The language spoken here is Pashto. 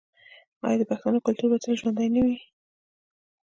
آیا د پښتنو کلتور به تل ژوندی نه وي؟